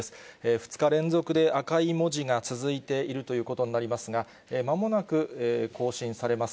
２日連続で、赤い文字が続いているということになりますが、まもなく更新されます。